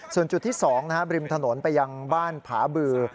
ส่วนจุดที่สองนะฮะบริมถนนไปยังบ้านพาบือ